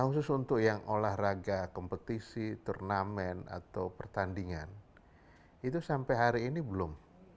khusus untuk yang olahraga kompetisi turnamen atau pertandingan itu sampai hari ini belum